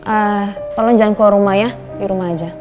eh tolong jangan keluar rumah ya dirumah aja